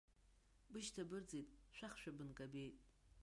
Бышьҭа бырӡит, шәахшәа бынкабеит.